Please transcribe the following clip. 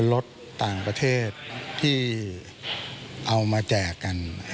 รถต่างประเทศที่เอามาแจกกัน